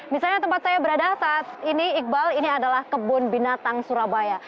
misalnya tempat saya berada saat ini iqbal ini adalah kebun binatang surabaya